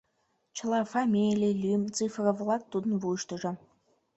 Чыла фамилий, лӱм, цифра-влак тудын вуйыштыжо.